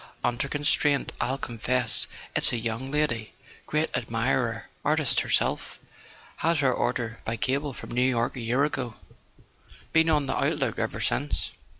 . under con¬ straint I'll confess it's to a young lady: great admirer, artist herself. Had her order by cable from New York a year ago. Been on the lookout ever since."